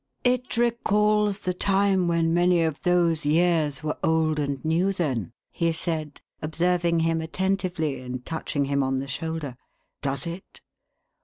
" It recalls the time when many of those years were old and new, then ?" he said, observing him attentively, and touching him on the shoulder. " Does it